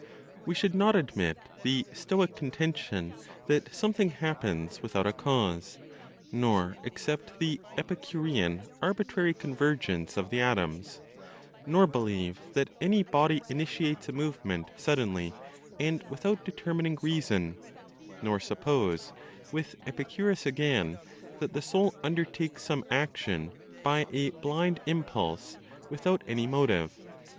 We should not admit (the Stoic contention) that something happens without a cause, nor accept the (Epicurean) arbitrary convergence of the atoms, nor believe that any body initiates a movement suddenly and without determining reason, nor suppose (with Epicurus again) that the soul undertakes some action by a blind impulse, without any motive.